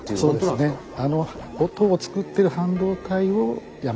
そうですね。